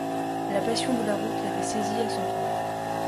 La passion de la route l’avait saisi à son tour.